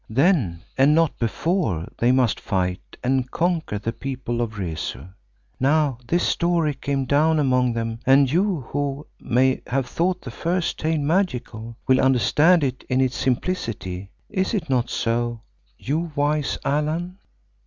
Then and not before they must fight and conquer the People of Rezu. Now this story came down among them and you who may have thought the first tale magical, will understand it in its simplicity: is it not so, you wise Allan?"